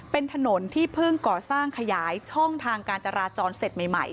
เป็นถนนที่เพิ่งก่อสร้างขยายช่องทางการจราจรเสร็จใหม่